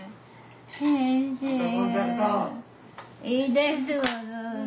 いいです！